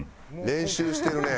練習してるね。